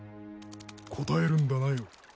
答えるんだなよ。